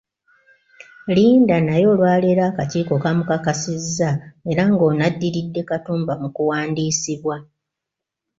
Linda naye olwaleero akakiiko kamukakasizza era ng'ono addiridde Katumba mu kuwandiisibwa.